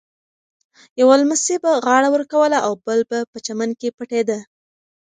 یوه لمسي به غاړه ورکوله او بل به په چمن کې پټېده.